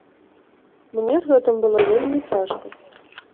Мне з гэтым было вельмі цяжка.